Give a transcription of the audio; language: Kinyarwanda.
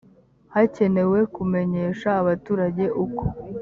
hakenewe kumenyesha abaturage uko